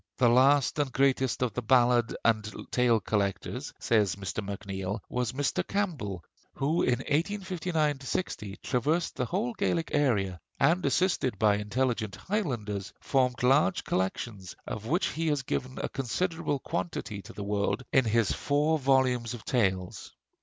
"The last and greatest of the ballad and tale collectors," says Mr. MacNeill, "was Mr. Campbell, who in 1859 60 traversed the whole Gaelic area; and assisted by intelligent Highlanders formed large collections, of which he has given a considerable quantity to the world in his four volumes of tales.